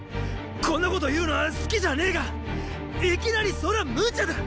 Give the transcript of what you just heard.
こんなこと言うのは好きじゃねェがいきなりそれは無茶だ！